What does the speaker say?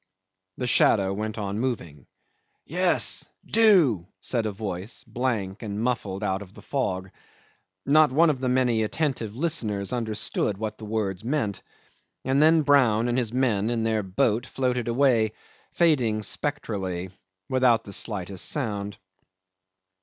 The shadow went on moving. "Yes. Do," said a voice, blank and muffled out of the fog. Not one of the many attentive listeners understood what the words meant; and then Brown and his men in their boat floated away, fading spectrally without the slightest sound.